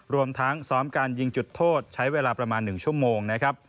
รวมทั้งซ้อมการยิงจุดโทษใช้เวลาประมาณ๑ชั่วโมงนะครับ